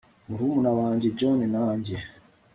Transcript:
Murumuna wanjye John na njye